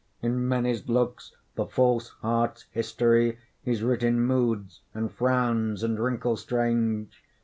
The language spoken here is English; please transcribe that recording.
In many's looks, the false heart's history Is writ in moods, and frowns, and wrinkles strange.